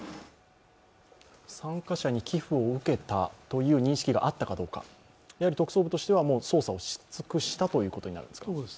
参加者に寄付を受けたという認識があったかどうか、やはり特捜部としては捜査をし尽くしたということになるんですか。